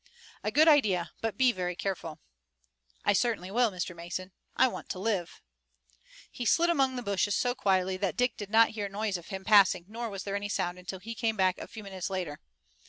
"A good idea, but be very careful." "I certainly will, Mr. Mason. I want to live." He slid among the bushes so quietly that Dick did not hear the noise of him passing, nor was there any sound until he came back a few minutes later.